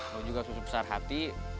lo juga susah susah hati